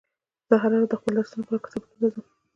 زه هره ورځ د خپلو درسونو لپاره کتابتون ته ځم